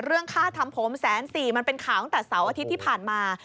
เรื่องค่าทำผมแสนสี่มันเป็นข่าวตั้งแต่เสาร์อาทิตย์ที่ผ่านมา